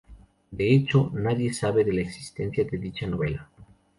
De hecho, nadie sabe de la existencia de dicha novela.